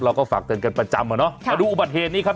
เราก็ฝากเตือนกันประจำอ่ะเนอะมาดูอุบัติเหตุนี้ครับ